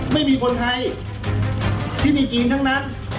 ไม่มีใครที่มีจีนทั้งนั้น